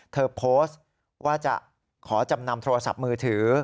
เธอโพสต์ว่าจะขอจำนำโทรศัพท์มือถือ